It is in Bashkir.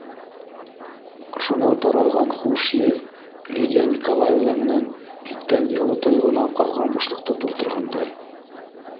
Шунан таралған хуш еҫ Лидия Николаевна менән киткән йылы тойғонан ҡалған бушлыҡты тултырғандай.